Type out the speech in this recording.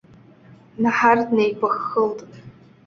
Наҳар днеиԥыххылт.